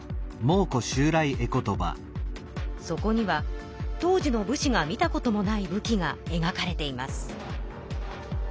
そこには当時の武士が見たこともない武器がえがかれています。